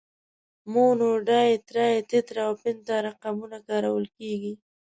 مونو، ډای، ترای، تترا او پنتا رقمونه کارول کیږي.